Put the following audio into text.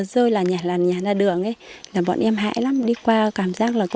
vẫn phải đi qua đây